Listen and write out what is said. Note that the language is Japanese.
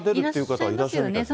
いらっしゃいますよね。